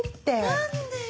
何でよ。